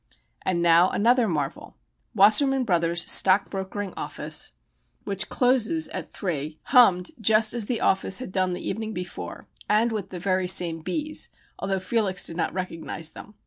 And now another marvel. Wassermann Brothers' stock brokering office, which closes at three hummed just as the "office" had done the evening before and with the very same bees, although Felix did not recognize them.